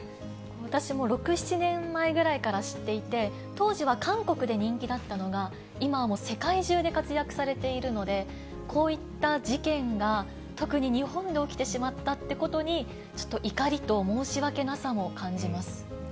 私も６、７年前ぐらいから知っていて、当時は韓国で人気だったのが、今はもう、世界中で活躍されているので、こういった事件が、特に日本で起きてしまったってことに、ちょっと怒りと申し訳なさも感じます。